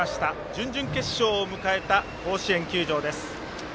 準々決勝を迎えた甲子園球場です。